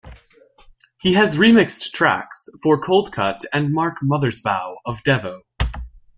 He has remixed tracks for Coldcut and Mark Mothersbaugh of Devo.